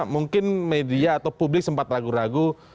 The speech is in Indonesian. mungkin media atau publik sempat ragu ragu